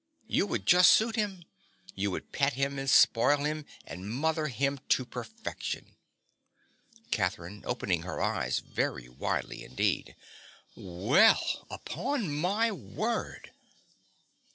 You would just suit him. You would pet him, and spoil him, and mother him to perfection. CATHERINE. (opening her eyes very widely indeed). Well, upon my word!